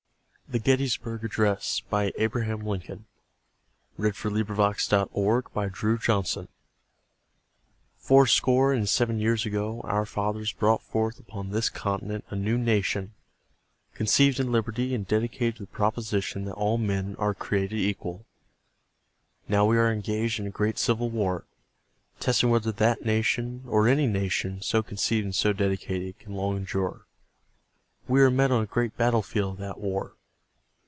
dress, given November 19, 1863 on the battlefield near Gettysburg, Pennsylvania, USA Four score and seven years ago, our fathers brought forth upon this continent a new nation: conceived in liberty, and dedicated to the proposition that all men are created equal. Now we are engaged in a great civil war. . .testing whether that nation, or any nation so conceived and so dedicated. .. can long endure. We are met on a great battlefield of that war.